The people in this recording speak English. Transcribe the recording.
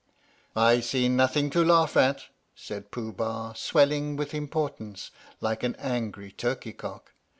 " I see nothing to laugh at," said Pooh Bah, swell ing with importance like an angry turkeycock.